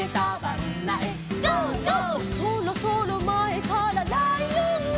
「そろそろ前からライオン」